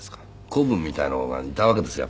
子分みたいなのがいたわけですよ